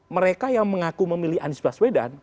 mereka yang mengaku memilih anies baswedan